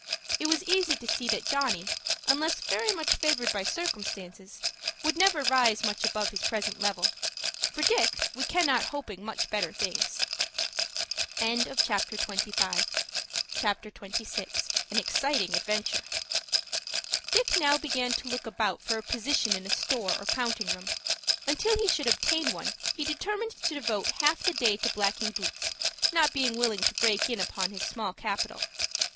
It was easy to see that Johnny, unless very much favored by circumstances, would never rise much above his present level. For Dick, we cannot help hoping much better things. CHAPTER XXVI. AN EXCITING ADVENTURE Dick now began to look about for a position in a store or counting room. Until he should obtain one he determined to devote half the day to blacking boots, not being willing to break in upon his small capital.